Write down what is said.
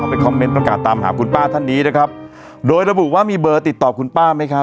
ไปคอมเมนต์ประกาศตามหาคุณป้าท่านนี้นะครับโดยระบุว่ามีเบอร์ติดต่อคุณป้าไหมครับ